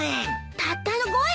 たったの５円？